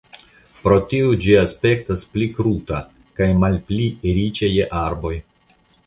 Pro tio ĝi aspektas pli kruta kaj malpli riĉa je arboj.